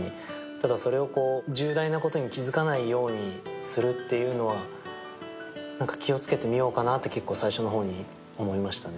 ただそれを重大なことに気づかないようにするっていうのは気をつけてみようかなって結構、最初の方に思いましたね。